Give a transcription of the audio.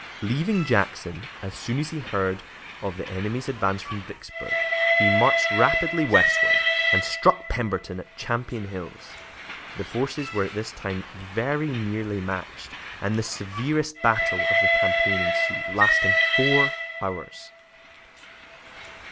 Leaving Jackson as soon as he heard of the enemy's advance from Vicksburg, he marched rapidly westward and struck Pemberton at Champion Hills. The forces were at this time very nearly matched, and the severest battle of the campaign ensued, lasting four hours.